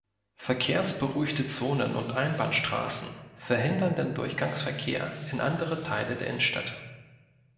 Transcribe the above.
Verkehrsberuhigte Zonen und Einbahnstraßen verhindern den Durchgangsverkehr in andere Teile der Innenstadt.